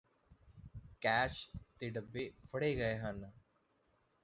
cash ਦੇ ਡੱਬੇ ਫ਼ੜੇ ਗਏ ਹਨ